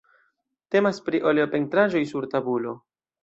Temas pri oleo-pentraĵoj sur tabulo.